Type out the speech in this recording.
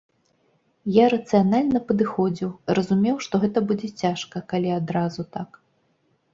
Я рацыянальна падыходзіў, разумеў, што гэта будзе цяжка, калі адразу так.